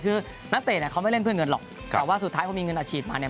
คือนักเตะเนี่ยเขาไม่เล่นเพื่อเงินหรอกแต่ว่าสุดท้ายพอมีเงินอาชีพมาเนี่ย